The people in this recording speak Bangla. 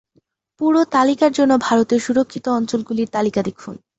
পুরো তালিকার জন্য, ভারতের সুরক্ষিত অঞ্চলগুলির তালিকা দেখুন।